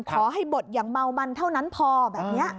ขอให้บดอย่างเมามันเท่านั้นพอแบบนี้